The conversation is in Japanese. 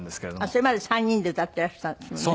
それまで３人で歌っていらしたんですもんね。